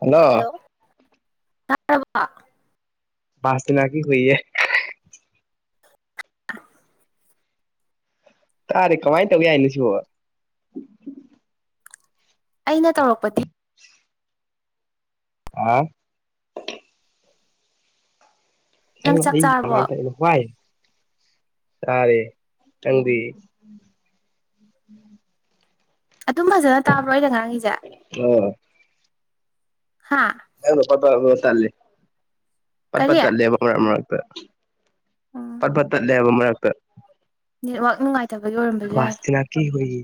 hello ꯇꯥꯕ‌ꯣ [unintelligible] [unintelligible] ꯇꯥꯔꯦ ꯀꯃꯥꯏꯅ ꯇꯧ ꯌꯥꯏꯅꯣ ꯁꯤꯕꯣ ꯑꯩꯅ ꯇꯧꯔꯛꯄꯗꯤ ꯑ ꯅꯪ ꯆꯥꯛ ꯑꯩ ꯀꯃꯥꯏ ꯆꯥꯔꯕꯣ ꯇ ꯍ꯭ꯋꯥꯏ ꯆꯥꯔꯦ ꯅꯪꯗꯤ ꯑꯗꯨꯝ ꯐꯖꯅ ꯇꯥꯕ꯭ꯔꯣ ꯑꯩꯅ ꯉꯥꯡꯉꯤꯁꯦ ꯍꯥ ꯅꯪ ꯄꯠ ꯇꯜꯂ ꯄꯠ ꯄꯠ ꯀꯔꯤ ꯇꯜꯂꯦꯕ ꯃꯔꯛ ꯃꯔꯛꯇ ꯎꯝ ꯄꯠꯄꯠꯇ ꯂꯦꯕ ꯃꯔꯛꯇ ꯅꯦꯠꯋꯥꯛ ꯅꯨꯡꯉꯥꯢ ꯋꯥꯁꯇꯅꯅꯥ ꯀ ꯍꯌꯦ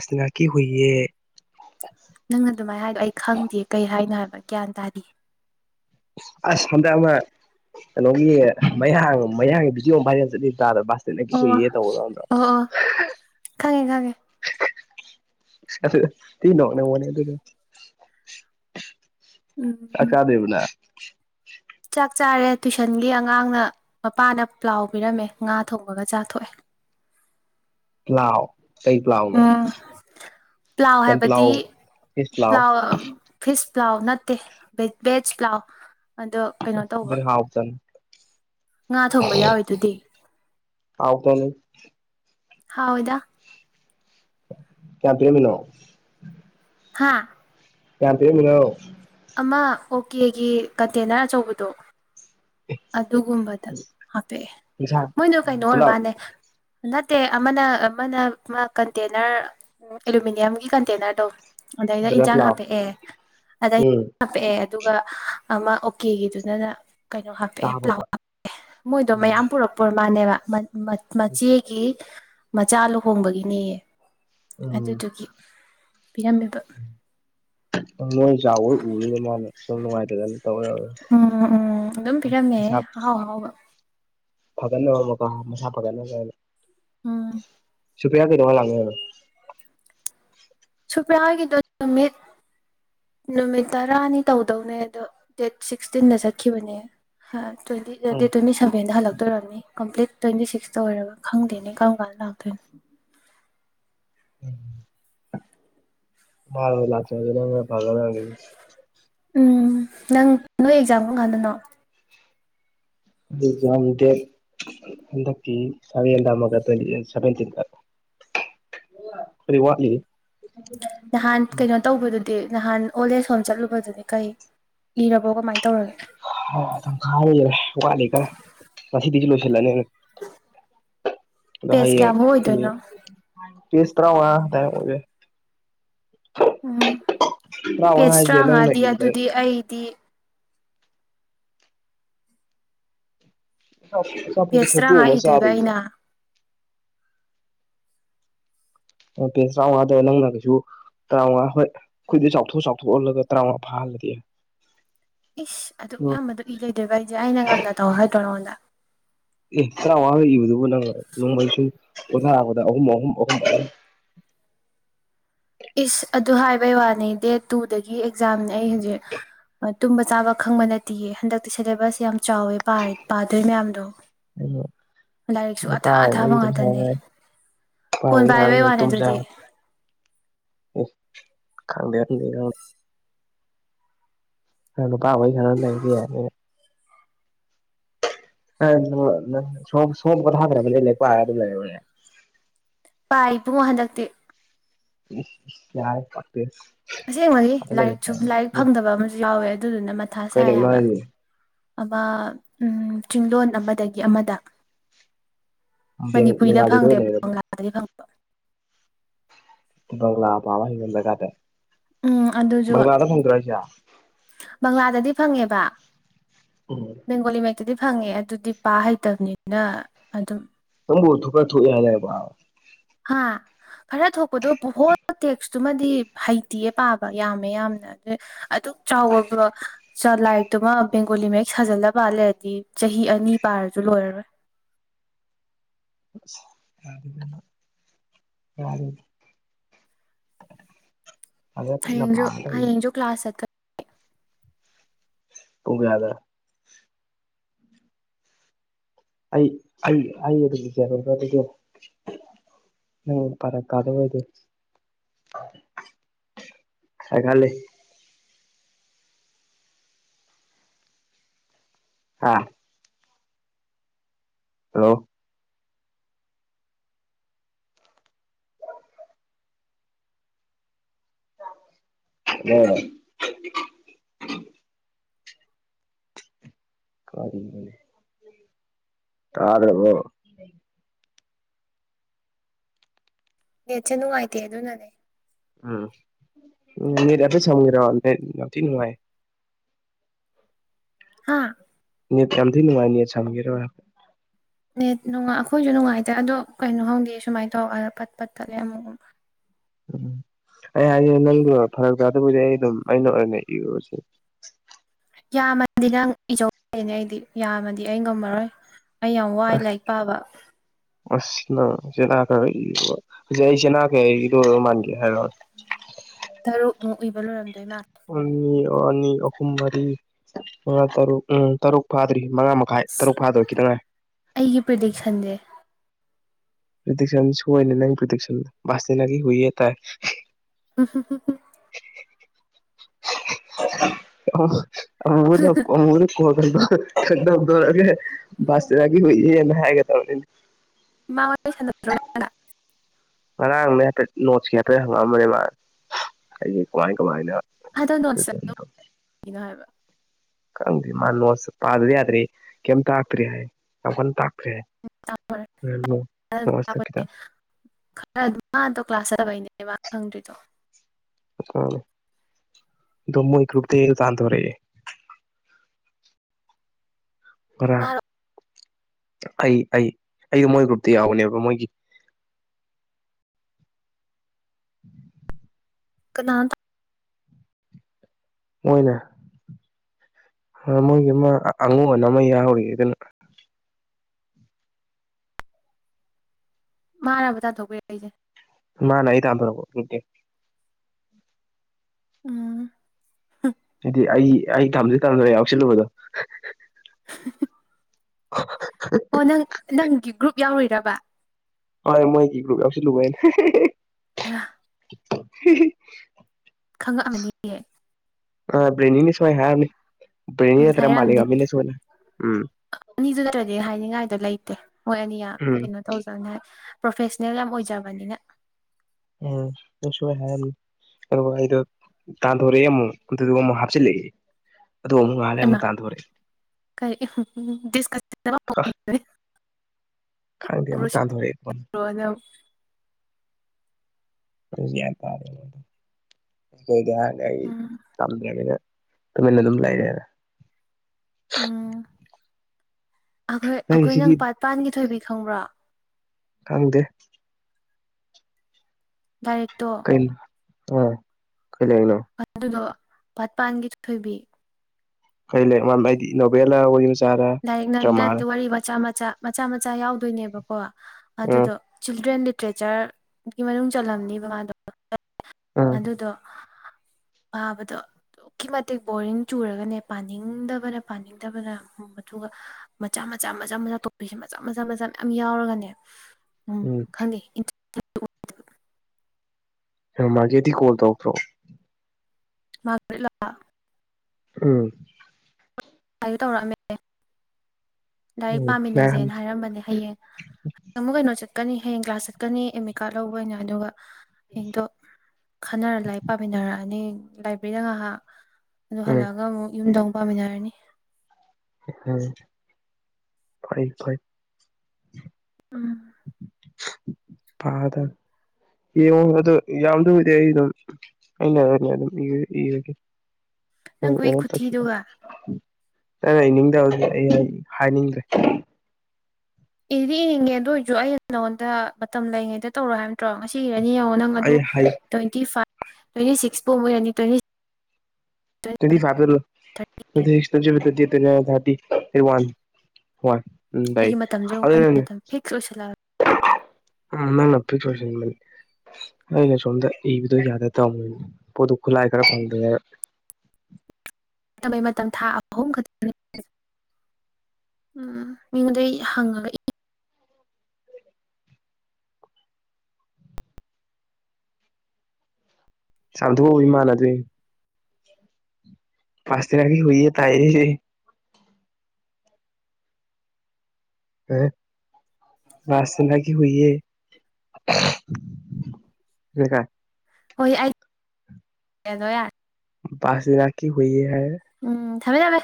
ꯁꯇꯅꯥ ꯀ ꯍꯌꯦ ꯅꯪꯅ ꯑꯗꯨꯃꯥꯏꯅ ꯍꯥꯏ ꯑꯩ ꯈꯪꯗꯦ ꯀꯩ ꯍꯥꯏꯅꯣ ꯍꯥꯏꯕ ꯒ꯭ꯌꯥꯟ ꯇꯥꯔꯤ ꯑꯁ ꯍꯟꯗꯛ ꯑꯃ ꯀꯩꯅꯣꯒꯤ ꯃꯌꯥꯡ ꯃꯌꯥꯡꯒꯤ ꯕꯤꯖꯤꯑꯣꯝ ꯚꯔꯦꯜ ꯆꯠꯂꯤ ꯇꯥꯗ ꯁꯤꯅ ꯑꯣ ꯍꯨꯏꯌꯦ ꯇꯧꯕꯗꯗ꯭ꯔꯥ ꯑꯣ ꯑꯣ ꯈꯪꯉꯦ ꯈꯪꯉꯦ ꯊ ꯅꯅꯦ ꯃꯅꯤ ꯇ ꯆꯥꯛ ꯎꯝ ꯆꯥꯥꯗ꯭ꯔꯤꯕꯣ ꯅꯪ ꯆꯥꯛ ꯆꯥꯔꯦ ꯇꯨꯏꯁꯟꯒꯤ ꯑꯉꯥꯡꯅ ꯃꯄꯥꯅ ꯄ꯭ꯂꯥꯎ ꯄꯤꯔꯝꯃꯦ ꯉꯥ ꯊꯣꯡꯕꯒ ꯆꯥꯛ ꯊꯣꯛꯑꯦ [inaudible] ꯄ꯭ꯂꯥꯎ ꯀꯩ ꯄ꯭ꯂꯥꯎꯅꯣ ꯎꯝ ꯄ꯭ꯂꯥꯎ ꯍꯥꯏꯕꯗꯤ ꯄ꯭ꯂꯥꯎ ꯐꯤꯁ ꯄ꯭ꯂꯥꯎ ꯅꯠꯇꯦ ꯚꯦꯖ ꯄ꯭ꯂꯥꯎ ꯑꯗꯣ ꯀꯩꯅꯣ ꯇꯧꯕ ꯕꯦꯔꯤ ꯍꯥꯎ ꯆꯟ ꯉꯥ ꯊꯣꯡꯕ ꯌꯥꯎꯋꯤꯗꯨꯗꯤ ꯍꯥꯎꯇꯅꯤ ꯍꯥꯎꯏꯗ ꯀꯌꯥꯝ ꯄꯤꯔꯝꯃꯤꯅꯣ ꯍꯥꯥ ꯀꯌꯥꯝ ꯄꯤꯔꯝꯃꯤꯅꯣ ꯑꯃ ꯑꯣꯀꯦꯒꯤ ꯀꯟꯇꯦꯅꯔ ꯑꯆꯧꯕꯗꯣ ꯑꯗꯨꯒꯨꯝꯕꯗ ꯍꯥꯄꯦꯑꯦ ꯏꯟꯁꯥꯡ ꯃꯣꯏꯗꯣ ꯀꯩꯅꯣ ꯑꯣꯏꯔ ꯄꯨꯂꯞ ꯃꯥꯜꯂꯦ ꯅꯠꯇꯦ ꯑꯃꯅ ꯑꯃꯅ ꯃꯥ ꯀꯟꯇꯦꯅꯔ ꯑꯦꯂꯨꯃꯤꯅꯤꯌꯝꯒꯤ ꯀꯟꯇꯦꯅꯔꯗꯣ ꯑꯗꯩꯗ ꯑꯗꯨꯅ ꯏꯟꯁꯥꯡ ꯄꯨꯂꯥꯎ ꯍꯥꯄꯛꯑꯦ ꯑꯗꯩ ꯎꯝ ꯍꯥꯞꯄꯛꯑꯦ ꯑꯗꯨꯒ ꯑꯃ ꯑꯣꯀꯦꯒꯤꯗꯨꯅꯅ ꯀꯩꯅꯣ ꯍꯥꯞꯄꯦ ꯄ꯭ꯂꯥꯎ ꯆꯥꯕꯄ ꯍꯥꯞꯄꯦ ꯃꯣꯏꯗꯣ ꯃꯌꯥꯝ ꯄꯨꯔꯛꯄ ꯃꯥꯅꯦꯕ ꯃꯆꯦꯒꯤ ꯃꯆꯥ ꯂꯨꯍꯣꯡꯕꯒꯤꯅꯦ ꯎꯝ ꯑꯗꯨꯗꯨꯒꯤ ꯄꯤꯔꯝꯃꯤꯕ ꯃꯣꯏ ꯆꯥꯎꯋꯣꯏ ꯎꯔꯤꯗ ꯃꯥꯅꯦ ꯁꯨꯝ ꯅꯨꯡꯉꯥꯏꯇꯗꯅꯤ ꯇꯧꯔꯔ ꯎꯝ ꯎꯝ ꯑꯗꯨꯝ ꯄꯤꯔꯝꯃꯦ ꯄꯩꯁꯥ ꯑꯍꯥꯎ ꯑꯍꯥꯎꯕ ꯐꯒꯠꯅꯕ ꯑꯃꯀꯣ ꯃꯁꯥ ꯐꯒꯠꯅꯕ ꯀꯅ ꯎꯝ ꯁꯨꯄꯌꯥ ꯀꯩꯅꯉ [unintelligible] ꯁꯨꯄ꯭ꯔꯥ ꯍꯥꯏꯒꯤꯗꯣ ꯅꯨꯃꯤꯠ ꯅꯨꯃꯤꯠ ꯇꯔꯥꯅꯤ ꯇꯧꯗꯧꯅꯦ ꯑꯗꯣ ꯗꯦꯠ ꯁꯤꯛꯁꯇꯤꯟꯗ ꯆꯠꯈꯤꯕꯅꯦ ꯇ꯭ꯋꯦꯟꯇꯤ ꯎꯝ ꯗꯦꯠ ꯇ꯭ꯋꯦꯟꯇꯤ ꯁꯕꯦꯟꯗ ꯍꯜꯂꯛꯇꯣꯏꯔꯝꯅꯤ ꯀꯝꯄꯂꯤꯠ ꯇ꯭ꯋꯦꯟꯇꯤ ꯁꯤꯛꯁꯇ ꯑꯣꯏꯔꯒ ꯈꯪꯗꯦꯅꯦ ꯀꯔꯝ ꯀꯥꯟꯗ ꯂꯥꯛꯇꯣꯏꯅꯣ ꯃꯥ ꯂꯥꯛꯆ ꯐꯂꯒ ꯎꯝ ꯅꯪ ꯅꯣꯏ ꯑꯦꯛꯖꯥꯝ ꯀꯝꯀꯥꯟꯗꯅꯣ ꯑꯗꯨ ꯌꯥꯝꯗꯦ ꯍꯟꯗꯛꯀꯤ ꯁꯟ ꯃꯒꯋꯦꯟ ꯁꯕꯦꯟꯇ ꯇ [unintelligible] ꯐ ꯋꯥꯂꯤ ꯅꯍꯥꯟ ꯀꯩꯅꯣ ꯇꯧꯕꯗꯨꯗꯤ ꯅꯍꯥꯟ ꯑꯣꯜ ꯑꯦꯖ ꯍꯣꯝ ꯆꯠꯂꯨꯕꯗꯨꯗꯤ ꯀꯩ ꯏꯔꯕꯣ ꯀꯃꯥꯏꯅ ꯇꯧ ꯥꯇꯪꯈ‌ꯏ ꯍ‌ꯦꯜꯂ‌ꯦ ꯋꯥꯠꯂꯤꯗ ꯈꯔ ꯉꯁꯤꯗꯤ ꯂꯣꯏꯁꯤꯜꯂꯒ‌ꯦ ꯑꯗꯨ ꯄꯦꯖ ꯍꯩꯏꯌꯦꯡ ꯀꯌꯥꯃꯨꯛ ꯑꯣꯏꯗꯣꯏꯅꯣ ꯄ‌ꯦꯁ ꯇ꯭ꯔꯥꯉꯥ ꯑꯗꯨꯋꯥꯏ ꯑ‌ꯣꯏꯕ ꯌꯥꯏ ꯎꯝ ꯇꯔꯥꯃꯉꯥ ꯄꯦꯁ ꯍꯥꯏꯁꯦ ꯅꯪꯅ ꯇꯔꯥꯉꯥꯗꯤ ꯏꯕꯗ ꯑꯗꯨꯗꯤ ꯑꯩꯗꯤ [unintelligible] ꯄꯦꯖ ꯑꯆꯥꯄ‌ꯣꯠꯁꯤ ꯈ‌ꯣꯛꯇ‌ꯣꯛ ꯇꯔꯥꯃꯉꯥ ꯑꯝꯃꯥ ꯏꯗꯣꯏꯕ ꯆꯥꯗꯕꯤꯗ ꯑꯩꯅ ꯄꯦꯁ ꯇ꯭ꯔꯥꯋꯉꯥꯗꯨ ꯅꯪꯅ ꯀꯩꯁꯨ ꯇꯔꯥꯃꯉꯥ ꯍꯣꯏ ꯈꯨꯏꯗꯨ ꯆꯥꯎꯊꯣꯛ ꯆꯥꯎꯊꯣꯛꯍꯜꯂꯒ ꯇꯔꯥꯃꯉꯥ ꯐꯥꯍꯜꯂꯗꯤ ꯏꯁ ꯑꯣ ꯑꯗꯨꯛꯌꯥꯝꯕꯗꯨ ꯏ ꯂꯩꯗ‌ꯣꯏꯕꯥ ꯑꯩꯗꯤ ꯑꯩꯅ ꯉꯟꯅ ꯇꯧ ꯍꯥꯏꯗ‍꯭ꯔ‌ꯣ ꯅꯉꯣꯟꯗ ꯑꯦ ꯇꯔꯋꯥꯉꯥ ꯏꯕꯗꯨꯕꯨ ꯅꯪ ꯅꯣꯡꯃꯩꯁꯨ ꯄꯣꯊꯥꯔꯛꯄꯗ ꯑꯍꯨꯝ ꯑꯍꯨꯝ ꯑꯍꯨꯝ [unintelligible] ꯏꯁ ꯑꯗꯨ ꯍꯥꯏꯕꯩ ꯋꯥꯅꯤ ꯗꯦꯠ ꯇꯨꯗꯒꯤ ꯑꯦꯛꯖꯥꯝꯅꯦ ꯑꯩ ꯍꯧꯖꯤꯛ ꯇꯨꯝꯕ ꯆꯥꯕ ꯈꯪꯕ ꯅꯠꯇꯦꯌꯦ ꯍꯟꯗꯛꯇꯤ ꯁꯦꯂꯦꯕꯁ ꯌꯥꯝ ꯆꯥꯎꯋꯦ ꯄꯥꯗꯣꯏ ꯃꯌꯥꯝꯗꯣ ꯑ ꯂꯥꯏꯔꯤꯛꯁꯨ ꯅꯨꯄꯥ ꯑꯊꯥ ꯋꯥꯔꯤ ꯑꯊꯥꯕ ꯑꯗꯨꯝ ꯉꯥꯛꯇꯅꯦ ꯁꯥꯟꯅ ꯂꯩ ꯐꯣꯟ ꯄꯥꯏꯕꯩ ꯋꯥꯅꯦ ꯑꯗꯨꯗꯤ [unintelligible] ꯈꯪꯗ‌ꯦ ꯈꯪꯗ‌ꯦ ꯈꯪꯗ‌ꯦ ꯅꯨꯄꯥ ꯋꯥꯔꯤ ꯁꯅꯥ ꯂꯩꯕꯗꯤ ꯌꯥꯅꯤꯅ‌ꯦ ꯁꯣꯝ ꯁꯣꯝ ꯄ‌ꯣꯊꯗꯕꯤ ꯂꯥꯏꯛ ꯄꯔꯥ ꯑꯗꯨ ꯂꯩꯔ‌ꯣꯅ‌ꯦ ꯄꯥꯏ ꯏꯄꯨꯡ ꯍꯟꯗꯛꯇꯤ ꯎ ꯌꯥꯏ ꯐꯥꯛꯄꯦꯁ ꯑꯁꯦꯡꯕꯒꯤ ꯂꯥꯏꯔꯤꯛꯁꯨ ꯂꯥꯏꯔꯤꯛ ꯐꯪꯗꯕ ꯑꯃꯁꯨ ꯌꯥꯎꯋꯦ ꯑꯗꯨꯗꯨꯅ ꯃꯊꯥ ꯀꯩ ꯁꯥꯏ ꯂꯩꯔꯤꯅꯣ ꯍꯥꯏꯕ ꯍꯥꯏꯁꯦ ꯑꯃ ꯆꯤꯡꯂꯣꯟ ꯑꯃꯗꯒꯤ ꯑꯃꯗ ꯃꯅꯤꯄꯨꯔꯤꯗ ꯕꯦꯡꯒꯥꯂꯤꯗ ꯑꯣꯏꯅ ꯐꯪꯗꯦꯕ ꯂꯩꯔꯕ ꯕꯪꯂꯥꯗꯗꯤ ꯐꯪ ꯄꯂꯥ ꯄꯥꯕ ꯍꯕꯗ ꯀꯥꯇꯦ ꯎꯝ ꯑꯗꯨꯁꯨ ꯕꯪꯂꯥꯗꯗꯤ ꯐꯪꯉꯦꯕ ꯎꯝ ꯕꯦꯡꯒꯣꯂꯤ ꯃꯩꯩ ꯑꯗꯨꯗꯤ ꯐꯪꯉꯦ ꯑꯗꯨꯗꯤ ꯄꯥ ꯍꯩꯇꯕꯅꯤꯅ ꯑꯗꯨꯝ ꯊꯣꯛ ꯊꯣꯛ ꯌꯥꯕ ꯍꯥ ꯈꯔ ꯊꯣꯛꯄꯗꯣ ꯇꯦꯛꯁꯇꯨꯃꯗꯤ ꯍꯩꯇꯤꯌꯦ ꯄꯥꯕ ꯌꯥꯝꯃꯦ ꯌꯥꯝꯅ ꯑꯗ ꯑꯗꯨꯛ ꯆꯥꯎꯕ ꯂꯥꯏꯔꯤꯛꯇꯨꯃ ꯕꯦꯡꯒꯣꯂꯤ ꯃꯍꯦꯛ ꯁꯥꯖꯜꯂꯕꯠ ꯂꯩꯔꯗꯤ ꯆꯍꯤ ꯆꯍꯤ ꯑꯅꯤ ꯄꯥꯔꯁꯨ ꯂꯣꯏꯔꯔꯣꯏ ꯌꯥ ꯌꯥ ꯐꯖꯅ ꯀꯟꯅ ꯄꯥꯔ ꯇꯧꯔꯤ [unintelligible] ꯄꯨꯒꯌꯥꯗ ꯑꯩ ꯑꯩ ꯎ ꯄꯔ ꯀꯥꯗ ꯑꯣꯏꯗꯤ [unintelligible] ꯑꯥ ꯍꯜꯂꯣ ꯎꯝ ꯀꯔꯤ ꯇꯥꯗꯕ ꯅꯦꯠꯁꯦ ꯅꯨꯡꯉꯥꯏꯇ ꯑꯗꯨ ꯑꯗꯨꯅꯅꯦ ꯎꯝ ꯎꯝ ꯅꯅꯤꯠ ꯑꯗꯨ ꯁꯝꯒꯦꯔꯣ ꯅꯠ ꯌꯥꯝꯊꯤ ꯅꯨꯡꯉꯥꯏ ꯍꯥꯥ ꯀꯌꯥꯝ ꯊꯤ ꯅꯨꯡꯉꯥꯏ ꯅꯤꯠ ꯁꯝꯒꯦꯔꯦ ꯅꯦꯠ ꯑꯩꯈꯣꯏꯁꯨ ꯅꯨꯡꯉꯥꯏꯇꯦ ꯑꯗꯣ ꯀꯩꯅꯣ ꯈꯪꯗꯦ ꯁꯨꯃꯥꯏꯅ ꯇꯧꯔ ꯄꯠ ꯄꯠ ꯇꯠꯂꯦ ꯑꯃꯨꯛ ꯎꯝ ꯑꯩ ꯍꯥꯏꯁꯦ ꯅꯪꯒꯤ ꯐꯔꯛ ꯆꯥꯗꯕꯨꯗꯤ ꯑꯩ ꯑꯗꯨꯝ ꯑꯩꯅ ꯑꯣꯏꯅ ꯏꯔꯨꯁꯦ ꯌꯥꯝꯃꯗꯤ ꯅꯪ ꯏꯆꯧꯅꯦ ꯑꯩꯗꯤ ꯌꯥꯝꯃꯗꯤ ꯑꯩ ꯉꯝꯃꯔꯣꯏ ꯑꯩ ꯌꯥꯝ ꯋꯥꯏ ꯑꯁ ꯂꯥꯏꯔꯤꯛ ꯄꯥꯕ ꯑꯁ ꯅꯪ ꯁꯦꯅꯥꯈ ꯍꯧꯖꯤꯛ ꯑꯩ ꯁꯦꯅꯥꯒꯦ ꯑꯩꯗ ꯃꯥꯟꯒꯦ ꯍꯥꯏꯔꯛ ꯇꯔꯨꯛ ꯑꯃꯨꯛ ꯏꯕ ꯂꯣꯏꯔꯝ ꯑ ꯑꯅꯤ ꯑꯍꯨꯝ ꯃꯔꯤ ꯇꯔꯨꯛ ꯎꯝ ꯇꯔꯨꯛ ꯐꯥꯗ꯭ꯔꯤ ꯃꯉꯥ ꯃꯈꯥꯏ ꯇꯔꯨꯛ ꯐꯥꯗꯣꯏ ꯈꯤꯇꯪ ꯉꯥꯏ ꯑꯩꯒꯤ ꯄ꯭ꯔꯤꯗꯤꯛꯁꯟꯁꯦ [unintelligible] ꯎ ꯑ ꯑꯃ ꯑꯃꯒꯗꯤ ꯀꯣ ꯀꯗ ꯔꯦꯁꯇꯔꯥꯒ ꯍꯅ ꯍꯥꯏꯒꯦ ꯇꯅꯤ ꯃꯥꯃ ꯁꯗꯣ ꯉꯔꯥꯡꯅꯦ ꯍꯥꯏꯐꯦꯠ ꯅꯣꯠꯁꯀꯤ ꯍꯥꯏꯐꯦꯠ ꯍꯪꯉꯛꯝꯕꯅꯤ ꯃꯥ ꯑꯩꯁ ꯀꯃꯥꯏ ꯀꯃꯥꯏꯅ ꯍꯥꯏꯗ ꯅꯁꯅꯣ ꯍꯥꯏꯕ ꯍꯪ ꯃꯥꯅꯤ ꯁꯄ ꯑꯗꯨꯗꯤꯦ ꯍꯥꯏꯗ꯭ꯔꯤ ꯀꯝꯇ ꯍꯥꯥꯛꯇ꯭ꯔꯤ ꯍꯥꯏ ꯇꯥꯛꯇ꯭ꯔꯦ ꯍꯥꯏ ꯅꯣꯠꯁꯇ ꯈꯤꯇꯪ [unintelligible] ꯂꯩꯕ ꯈꯪꯗ꯭ꯔꯤꯗꯣ ꯗꯃꯒ꯭ꯔꯨꯄꯗ ꯇꯥꯟꯊꯔꯛꯑꯥ [unintelligible] ꯄꯨꯔ ꯃꯥꯔꯣ ꯑꯩ ꯑꯩ ꯑꯩꯁꯨ ꯃꯣꯏ ꯒ꯭ꯔꯨꯞꯇ ꯌꯥꯎꯕꯅꯦꯕ ꯃꯣꯏꯒꯤ [unintelligible] ꯎꯝ ꯀꯅꯥ ꯃꯣꯏꯅꯦ ꯃꯣꯏꯒꯤ ꯑꯃ ꯑꯉꯨ ꯑꯅ ꯑꯃ ꯌꯥꯎꯧꯔꯤ ꯑꯗꯨꯅ ꯃꯥꯔꯥꯕ ꯇꯥ ꯊꯣꯛꯣꯛꯄ ꯌꯥ ꯑꯩꯁꯦ ꯃꯥꯅ ꯑꯩ ꯇꯟꯊꯣꯔꯛꯄ ꯒꯔꯨꯞꯇꯩ ꯎꯝ ꯍꯥꯏꯗꯤ ꯑꯩ ꯑꯩ ꯊꯝꯗꯦ ꯇꯝꯗ꯭ꯔ ꯌꯥꯎꯁꯜꯂꯨꯕꯗꯣ [unintelligible] ꯑ ꯑꯣ ꯅꯪ ꯅꯪꯒꯤ ꯒ꯭ꯔꯨꯞ ꯌꯥꯎꯔꯨꯔꯕ ꯍ ꯃꯣꯏ ꯀ꯭ꯔ ꯁꯤ ꯂꯨ ꯃꯥꯏꯅ [unintelligible] [unintelligible] ꯈꯪꯉꯛꯃꯅꯤꯍꯦ ꯑ ꯕꯔꯤꯅꯤꯅꯤ ꯁꯃꯏ ꯍꯥꯏꯔꯅꯤ ꯎꯝ ꯍꯥꯏꯔꯛꯑꯝꯅꯤ ꯎꯝ ꯑꯅꯤꯁꯨ ꯅꯠꯇ꯭ꯔꯗꯤ ꯍꯥꯏꯅꯤꯡꯉꯥꯏ ꯗ ꯂꯩꯇꯦ ꯍꯣꯏ ꯑꯅꯤ ꯌꯥꯝ ꯎꯝ ꯀꯩꯅꯣ ꯇꯧꯖꯅꯤ ꯄ꯭ꯔꯣꯐꯦꯁꯅꯦꯜ ꯌꯥꯝ ꯑꯣꯏꯖꯕꯅꯤꯅ ꯎꯝꯁꯣꯏ ꯍꯥꯏ ꯑꯗꯨꯒ ꯑꯩꯗꯣ ꯇꯥꯟꯊꯣꯔꯛꯑꯦ ꯑꯃꯨꯛ ꯑꯗꯨꯗꯨꯒ ꯑꯃꯨꯛ ꯍꯥꯞꯆꯤꯜꯂꯛꯑꯦ ꯑꯗ ꯉꯥꯂꯦ ꯑꯃꯛ ꯍꯩꯃꯥ ꯇꯥꯟꯗꯄꯦ ꯀꯔꯤ ꯗꯤꯁꯀꯁꯟ ꯈꯪꯗꯦ ꯑꯃꯨꯛ ꯇꯥꯟꯊꯣꯔꯛꯑꯏꯕ ꯇꯥꯔꯦ ꯀꯩ ꯑꯩ ꯎꯝ ꯇꯝꯗ꯭ꯔꯕꯗ ꯇꯨꯃꯦꯅ ꯑꯗꯨꯝ ꯂꯥꯏꯗꯅ ꯎꯝ ꯑꯩꯈꯣꯏ ꯅꯪꯒꯤ ꯑꯩꯈꯣꯏ ꯁꯤꯒꯤ ꯅꯪ ꯄꯥꯠꯄꯥꯟꯒꯤ ꯊꯣꯏꯕꯤ ꯈꯪꯕ꯭ꯔꯣ ꯈꯪꯗꯦ ꯗꯥꯏꯔꯦꯛꯇꯣ ꯀꯩꯅꯣ ꯑꯥ ꯀꯩ ꯂꯥꯏꯔꯤꯛꯅꯣ ꯑꯗꯨꯗꯣ ꯄꯥꯠꯄꯥꯟꯒꯤ ꯊꯣꯏꯕꯤ ꯀꯩ ꯂꯩꯔꯤꯛꯗꯤ ꯅꯣꯕꯦꯂ ꯑꯣꯏ ꯂꯥꯏꯔꯤꯛ ꯋꯥꯔꯤ ꯃꯆꯥ ꯃꯆꯥ ꯃꯆꯥ ꯃꯆꯥ ꯌꯥꯎꯗꯣꯏꯅꯦꯕꯀꯣ ꯎꯝ ꯑꯗꯨꯗꯣ ꯆꯤꯜꯗ꯭ꯔꯦꯟ ꯂꯤꯇꯔꯦꯆꯔꯒꯤ ꯃꯅꯨꯡ ꯆꯜꯂꯤꯜꯂꯝꯅꯦꯕ ꯃꯥꯗꯣ ꯑꯗꯨꯗꯣ ꯄꯥꯕꯗꯣ ꯑꯗꯨꯛꯀꯤ ꯃꯇꯤꯛ ꯕꯣꯔꯤꯡ ꯆꯨꯔꯒꯅꯦ ꯄꯥꯅꯤꯡꯗꯕꯅ ꯄꯥꯅꯤꯡꯗꯕꯅ ꯑꯗꯨꯒ ꯃꯆꯥ ꯃꯆꯥ ꯃꯆꯥ ꯃꯆꯥ ꯇꯣꯄꯤꯛꯁꯦ ꯃꯆꯥ ꯃꯆꯥ ꯃꯆꯥ ꯃꯌꯥꯝ ꯌꯥꯎꯔꯒꯅꯦ ꯎꯝ ꯈꯪꯉꯦ ꯃꯥꯒꯤꯗꯤ ꯀꯣꯔꯣꯗ ꯄ꯭ꯔꯣ ꯃꯥꯂ ꯎꯝ ꯀꯗ ꯇꯧꯔꯛꯑꯝꯃꯦ ꯂꯥꯏꯔꯤꯛ ꯎꯝ ꯅꯍꯥꯟ ꯄꯥꯝꯃꯤꯟꯅꯁꯦꯅ ꯍꯥꯏꯔꯝꯕꯅꯦ ꯍꯌꯦꯡꯪ ꯀꯩꯅꯣ ꯆꯠ ꯆꯠꯀꯅꯤ ꯍꯌꯦꯡ ꯀ꯭ꯂꯥꯁ ꯆꯠꯀꯅꯤ ꯑꯦꯦꯝꯃꯤ ꯀꯥꯔꯠ ꯂꯧꯕ ꯑꯣꯏꯅ ꯑꯗꯨꯒ ꯍꯡꯗꯣ ꯈꯟꯅꯔ ꯂꯥꯏ ꯄꯥꯃꯤꯟꯅꯔꯛꯑꯅꯤ ꯂꯥꯏꯕ꯭ꯔꯦꯔꯤꯗ ꯉꯥꯏꯍꯥꯛ ꯑꯗꯨ ꯎꯝ ꯍꯜꯂꯛꯑꯒ ꯑꯃꯨꯛ ꯌꯨꯝꯗ ꯑꯃꯨꯛ ꯄꯥꯃꯤꯟꯅꯔꯅꯤ ꯎꯝ ꯐꯔ ꯐꯔ ꯄꯥꯗ ꯌꯦꯡꯉꯣ ꯑ ꯌꯥꯝ ꯂꯨꯗꯤ ꯑꯩ ꯑꯗꯨꯝ ꯑꯩꯅꯅꯦꯝ ꯏꯕꯒ ꯅꯪ ꯈꯨꯏ ꯎꯝ ꯇꯁꯤꯗ ꯈꯨꯊꯤꯗꯨꯒ ꯅꯪꯅ ꯏꯅꯤꯡꯗꯕꯁꯦ ꯑꯩ ꯍꯥꯏꯅꯤꯡꯗ꯭ꯔꯦ ꯏꯗꯤ ꯏꯅꯤꯡꯉꯦ ꯑꯗꯨ ꯑꯣꯏꯔꯁꯨ ꯑꯩ ꯅꯉꯣꯟꯗ ꯃꯇꯝ ꯂꯩꯉꯩꯗ ꯇꯧꯔꯣ ꯍꯥꯏꯕ ꯅꯠꯇ꯭ꯔꯣ ꯉꯁꯤ ꯏꯔꯅꯤ ꯌꯦꯡꯉꯣ ꯅꯪ ꯑꯗꯨ ꯑꯩ ꯍꯥꯏ ꯇ꯭ꯋꯦꯟꯇꯤ ꯐꯥꯏꯚ ꯇ꯭ꯋꯦꯟꯇꯤ ꯁꯤꯛꯁ ꯐꯥꯎ ꯑꯣꯏꯔꯅꯤ ꯇ꯭ꯋꯦꯟꯇꯤ ꯁꯤꯁ twenty five thirty one one ꯎꯝ ꯂꯩ ꯑꯩꯒꯤ ꯃꯇꯝꯁꯨ ꯑꯩ ꯑꯗꯨꯅꯅꯦ ꯃꯇꯝ ꯐꯤꯛꯁ ꯑꯣꯏꯁꯜꯂꯛꯑꯒꯦ ꯎꯝ ꯅꯄꯤ ꯆꯅꯤꯅꯤ ꯑꯩꯅꯦ ꯁꯣꯝꯗ ꯏꯕꯗ ꯌꯥꯗ ꯇ ꯑꯃꯣꯏꯅꯤ ꯄꯗꯨ ꯈꯂꯑ ꯈꯔ ꯐꯝꯗꯔꯦ ꯩ ꯃꯇꯝ ꯊꯥ ꯑꯍꯨꯝ ꯈꯛꯇꯪ ꯎꯝ ꯃꯤꯉꯣꯟꯗꯩ ꯍꯪꯉꯒ ꯏ ꯆꯊꯣꯛ ꯏꯃꯥꯟꯅ ꯑꯗꯨ ꯄꯥꯁꯇꯔꯥꯒꯒꯤ ꯍꯏꯌꯦ ꯇꯥꯏ ꯑ ꯁꯅꯒꯤ ꯍꯨꯏꯌꯦ ꯂꯩꯀꯥꯏ ꯍꯣꯏ ꯑꯩꯗ ꯌꯥꯔ ꯁꯤ ꯏꯔꯀꯤ ꯍꯣꯏ ꯍꯥꯏ ꯎꯝ ꯊꯃꯦ ꯊꯃꯦ